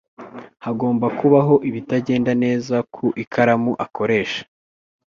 Hagomba kubaho ibitagenda neza ku ikaramu akoresha.